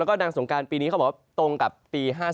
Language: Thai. แล้วก็นางสงการปีนี้เขาบอกว่าตรงกับปี๕๔